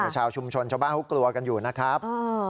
ชาวชุมชนชาวบ้านเขากลัวกันอยู่นะครับ